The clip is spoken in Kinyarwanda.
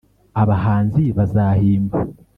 abahanzi bazahimba